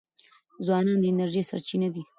ځوانان د انرژۍ سرچینه دي.